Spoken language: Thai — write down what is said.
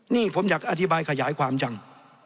นี่ผมอยากอธิบายขยายความจัง